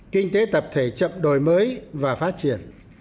kinh tế tập thể chậm đổi mới và phát triển